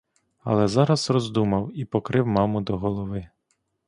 Але зараз роздумав і покрив маму до голови.